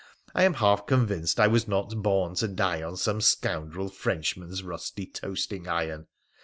I am half convinced I was not born to die on some scoundrel French man's rusty toasting iron.